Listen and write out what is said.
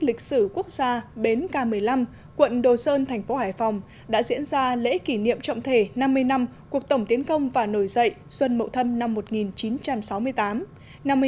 lịch sử quốc gia bến k một mươi năm quận đồ sơn thành phố hải phòng đã diễn ra lễ kỷ niệm trọng thể năm mươi năm cuộc tổng tiến công và nổi dậy xuân mậu thâm năm một nghìn chín trăm sáu mươi tám